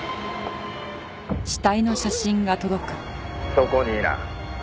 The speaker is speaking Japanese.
「そこにいな。